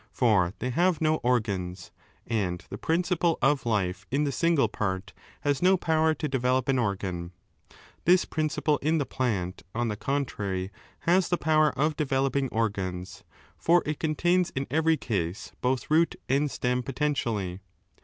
For they have no organs, and the principle of life in the single part has no power to develop an organ. This principle in the plant, on the contrary, has the power of developing organs, for it contains in every case both root 5 and stem potentially.